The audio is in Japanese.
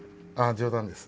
冗談です。